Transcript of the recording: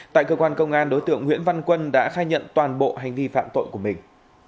tại cơ quan công an đối tượng nguyễn văn quân đã khai nhận toàn bộ hành vi phạm tội của mình